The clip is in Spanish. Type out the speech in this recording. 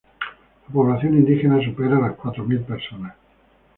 La población indígena supera las cuatro mil personas.